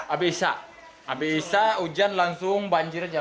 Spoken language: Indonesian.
abis isa abis isa hujan langsung banjir aja